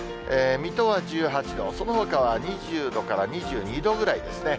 水戸は１８度、そのほかは２０度から２２度ぐらいですね。